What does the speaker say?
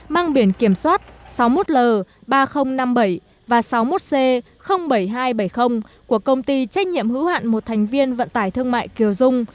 mang biển kiểm soát sáu mươi một l ba nghìn năm mươi bảy và sáu mươi một c bảy nghìn hai trăm bảy mươi của công ty trách nhiệm hữu hạn một thành viên vận tải thương mại kiều dung